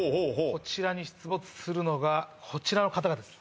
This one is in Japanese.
こちらに出没するのがこちらの方々です